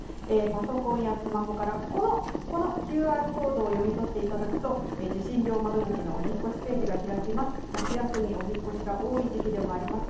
パソコンやスマホからこのＱＲコードを読み取っていただくと受信料の窓口・お引っ越しページが開きます。